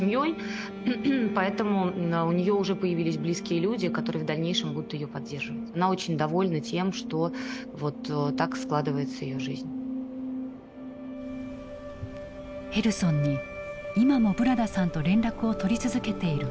ヘルソンに今もブラダさんと連絡を取り続けている子どもがいた。